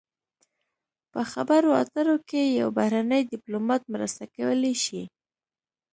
په خبرو اترو کې یو بهرنی ډیپلومات مرسته کولی شي